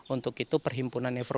untuk itu perhimpunan nefrolisis